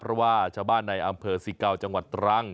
เพราะว่าชาวบ้านในอำเภอสิเกาจังหวัดตรัง